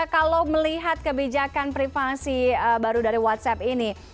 kalau melihat kebijakan privasi baru dari whatsapp ini